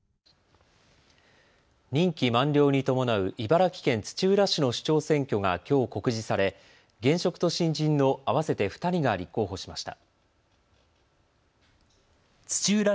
任期満了に伴う茨城県土浦市の市長選挙がきょう告示され現職と新人の合わせて２人が立候補しました。